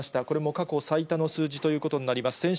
これも過去最多の数字ということになります。